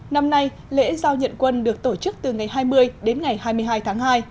năm nay lễ giao nhận quân được tổ chức từ ngày hai mươi đến ngày hai mươi hai tháng hai